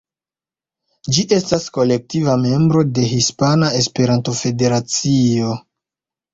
Ĝi estas kolektiva membro de Hispana Esperanto-Federacio.